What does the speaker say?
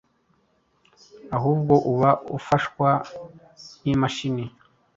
ahubwo uba ufashwa n’imashini